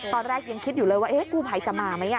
ตอนแรกยังคิดอยู่เลยว่ากู้ภัยจะมาไหม